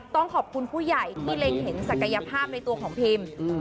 ต้องขอบคุณผู้ใหญ่ที่เล็งเห็นศักยภาพในตัวของพิม